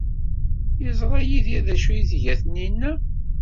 Yeẓra Yidir d acu ay tga Taninna?